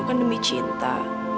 kan demi cinta